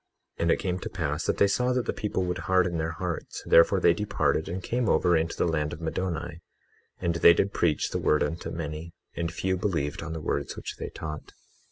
21:12 And it came to pass that they saw that the people would harden their hearts, therefore they departed and came over into the land of Middoni. And they did preach the word unto many, and few believed on the words which they taught.